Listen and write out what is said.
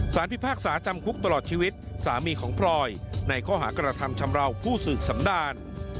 พิพากษาจำคุกตลอดชีวิตสามีของพลอยในข้อหากระทำชำราวผู้สืบสำดาน